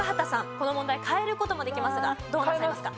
この問題変える事もできますがどうなさいますか？